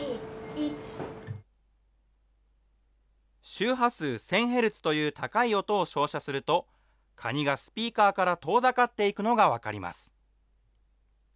周波数１０００ヘルツという高い音を照射すると、カニがスピーカーから遠ざかっていくのが分かります。